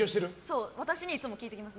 私にいつも聞いてきます。